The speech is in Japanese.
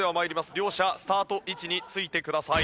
両者スタート位置についてください。